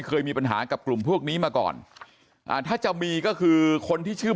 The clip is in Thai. เคยมีปัญหากับกลุ่มพวกนี้มาก่อนอ่าถ้าจะมีก็คือคนที่ชื่อ